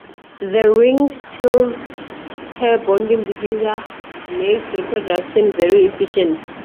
The ringed teal's pair bonding behaviour makes reproduction very efficient.